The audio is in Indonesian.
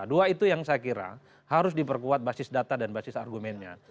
dua itu yang saya kira harus diperkuat basis data dan basis argumennya